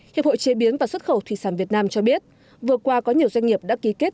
hiệp hội chế biến và xuất khẩu thủy sản việt nam cho biết vừa qua có nhiều doanh nghiệp đã ký kết